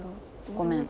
ごめん